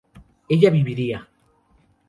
ella viviría